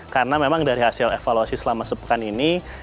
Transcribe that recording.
karena memang dari hasil evaluasi selama sepekan ini